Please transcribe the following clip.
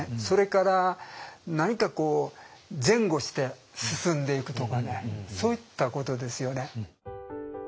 それから何かこう前後して進んでいくとかねそういったことですよね。